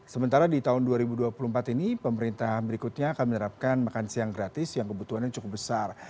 sementara di tahun dua ribu dua puluh empat ini pemerintah berikutnya akan menerapkan makan siang gratis yang kebutuhannya cukup besar